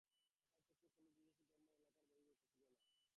তাঁহার চক্ষে কোন জিনিষই ধর্মের এলাকার বহির্ভূত ছিল না।